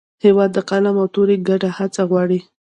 هېواد د قلم او تورې ګډه هڅه غواړي.